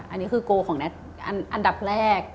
อันนี้คือโกลของแท็กอันดับแรก